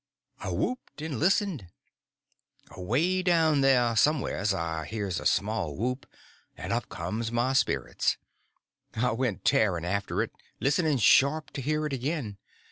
I whooped and listened. Away down there somewheres I hears a small whoop, and up comes my spirits. I went tearing after it, listening sharp to hear it again.